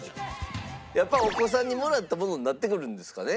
やっぱお子さんにもらったものになってくるんですかね？